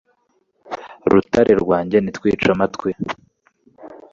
Rutare rwanjye ntiwice amatwi